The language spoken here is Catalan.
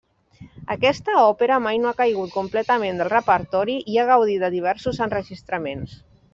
Aquesta òpera mai no ha caigut completament del repertori i ha gaudit de diversos enregistraments.